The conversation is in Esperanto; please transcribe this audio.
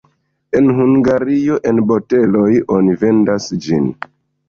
En Hungario en boteloj oni vendas ĝin.